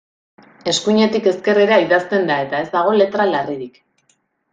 Eskuinetik ezkerrera idazten da eta ez dago letra larririk.